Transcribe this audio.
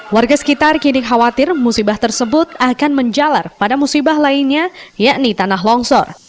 warga sekitar kini khawatir musibah tersebut akan menjalar pada musibah lainnya yakni tanah longsor